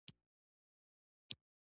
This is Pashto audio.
سندره د حالاتو انعکاس دی